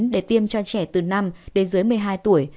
để tiêm cho trẻ từ năm đến dưới một mươi hai tuổi